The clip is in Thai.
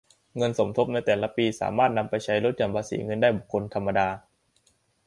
เงินสมทบในแต่ละปีสามารถนำไปใช้ลดหย่อนภาษีเงินได้บุคคลธรรมดา